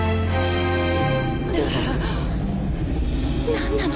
何なの？